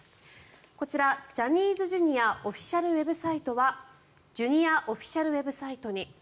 こちら、ジャニーズＪｒ．オフィシャルウェブサイトはジュニアオフィシャルウェブサイトに。